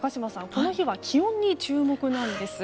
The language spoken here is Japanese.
この日は気温に注目なんです。